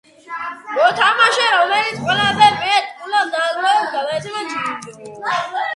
მოთამაშე რომელიც ყველაზე მეტ ქულას დააგროვებს, გადაეცემა ჯილდო.